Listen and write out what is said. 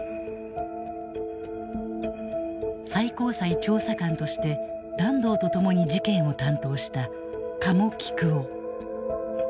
最高裁調査官として團藤と共に事件を担当した加茂紀久男。